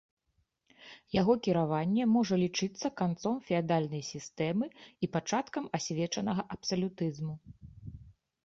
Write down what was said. Яго кіраванне можа лічыцца канцом феадальнай сістэмы і пачаткам асвечанага абсалютызму.